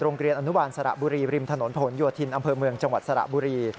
โรงเรียนอนุบาลสระบุรีริมถนนผลโยธินอำเภอเมืองจังหวัดสระบุรี